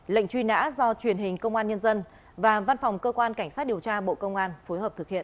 lệnh truy nã do truyền hình công an nhân dân và văn phòng cơ quan cảnh sát điều tra bộ công an phối hợp thực hiện